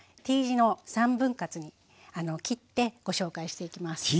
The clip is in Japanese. Ｔ字の３分割に切ってご紹介していきます。